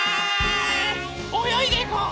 およいでいこう！